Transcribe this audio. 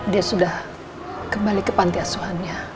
dia sudah kembali ke pantai asuhannya